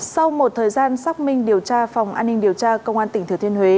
sau một thời gian xác minh điều tra phòng an ninh điều tra công an tỉnh thừa thiên huế